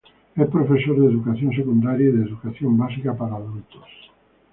Es profesor de educación secundaria y de educación básica para adultos.